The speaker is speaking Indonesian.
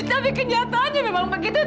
tapi kenyataannya memang begitu